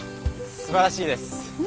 すばらしいです！